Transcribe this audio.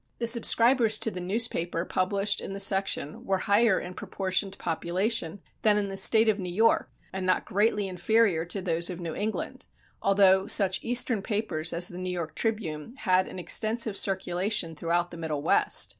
The subscribers to the newspaper published in the section were higher in proportion to population than in the State of New York and not greatly inferior to those of New England, although such eastern papers as the New York Tribune had an extensive circulation throughout the Middle West.